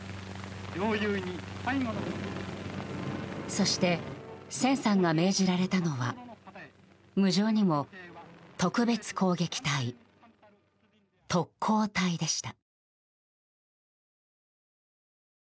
そして千さんが命じられたのは無情にも特別攻撃隊特攻隊でした。